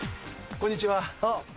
こんにちは。